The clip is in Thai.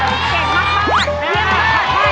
เก่งมากถูกร้ายอ่ะ